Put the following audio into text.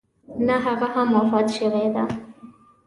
نه هغه هم وفات شوې ده.